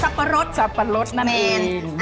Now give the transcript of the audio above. สัปปะรดสัปปะรดนั่นเองถูกเดียว